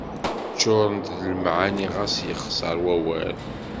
Ččurent d lemɛani xas yexseṛ wawal.